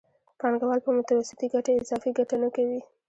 پانګوال په متوسطې ګټې اضافي ګټه نه کوي